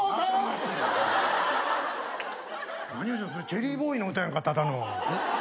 チェリーボーイの歌やんかただの。